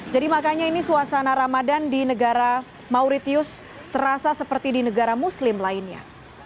jadi makanya ini suasana ramadan di negara mauritius terasa seperti di negara muslim lainnya